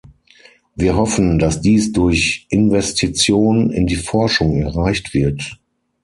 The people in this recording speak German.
Wir hoffen, dass dies durch Investition in die Forschung erreicht wird.